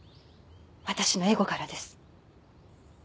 私のエゴからです。